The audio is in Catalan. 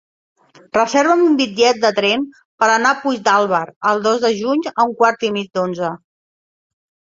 Reserva'm un bitllet de tren per anar a Puigdàlber el dos de juny a un quart i mig d'onze.